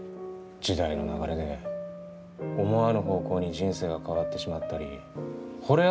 時代の流れで思わぬ方向に人生が変わってしまったりほれ